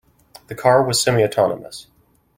The car was semi-autonomous.